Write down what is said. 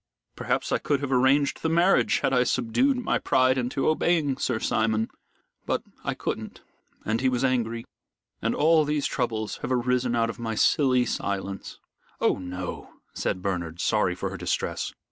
Perhaps I could have arranged the marriage had I subdued my pride into obeying Sir Simon. But I couldn't, and he was angry, and all these troubles have arisen out of my silly silence." "Oh, no," said Bernard, sorry for her distress.